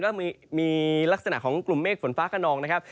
ก็มีลักษณะของกลุ่มเมฆฝนฟ้าขนองนะครับ